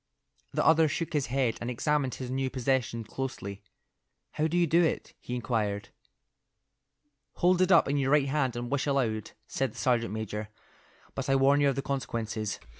The other shook his head and examined his new possession closely. "How do you do it?" he inquired. "Hold it up in your right hand and wish aloud," said the sergeant major, "but I warn you of the consequences."